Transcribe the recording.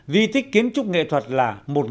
di tích kiến trúc nghệ thuật là